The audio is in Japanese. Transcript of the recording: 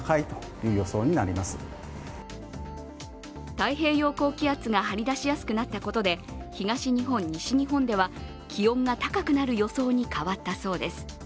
太平洋高気圧が張り出しやすくなったことで東日本・西日本では気温が高くなる予想に変わったそうです。